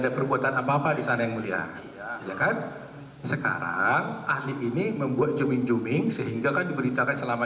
disarankan yang mulia ya kan sekarang ahli ini membuat zooming zooming sehingga kan diberitakan selama